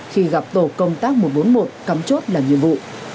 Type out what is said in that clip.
khi gặp tổ công tác một trăm bốn mươi một cắm chốt làm nhiệm vụ